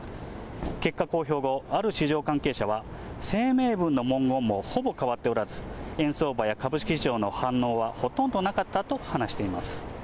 結果、公表後、ある市場関係者は、声明文の文言もほぼ変わっておらず、円相場や株式市場の反応はほとんどなかったと話しています。